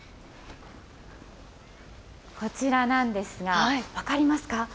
こちらなんですが、分かりますか？